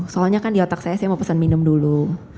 soalnya kan di otak saya saya mau pesan minum dulu